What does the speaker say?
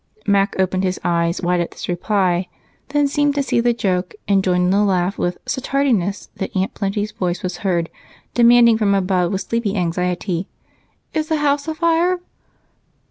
Mac opened his eyes wide at this reply, then seemed to see the joke and joined in the laugh with such heartiness that Aunt Plenty's voice was heard demanding from above with sleepy anxiety: "Is the house afire?"